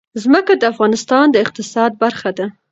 ځمکه د افغانستان د اقتصاد برخه ده.